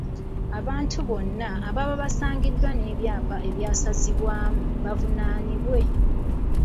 Abantu bonna ababa basangiddwa n’ebyapa ebyasazibwamu bavunaanibwe.